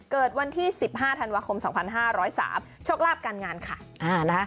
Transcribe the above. เกิดวันที่๑๕ธันวาคม๒๕๐๓โชคลาภการงานค่ะ